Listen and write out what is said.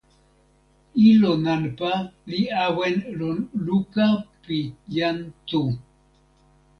ilo nanpa li awen lon luka pi jan Tu.